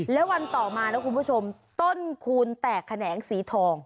แล้ววันต่อมานะคุณผู้ชมต้นคูณแตกแขนงสีทอง